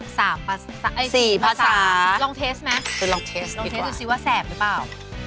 สามภาษาสี่ภาษาลองเทสต์มั้ยลองเทสต์ดีกว่าลองเทสต์ดูสิว่าแสบหรือเปล่า